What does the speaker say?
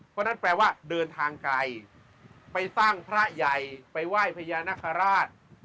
เพราะฉะนั้นแปลว่าเดินทางไกลไปสร้างพระใหญ่ไปไหว้พญานาคาราช